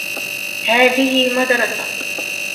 هذه مدرسة.